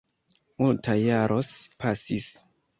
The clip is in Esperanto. Multaj jaros pasis.